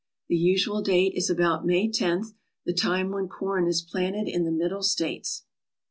The usual date is about May loth, the time when corn is planted in the Middle States.